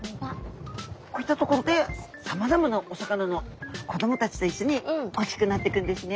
こういった所でさまざまなお魚の子どもたちといっしょに大きくなってくんですね。